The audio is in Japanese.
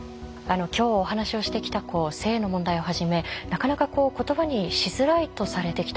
今日お話をしてきた性の問題をはじめなかなか言葉にしづらいとされてきた問題。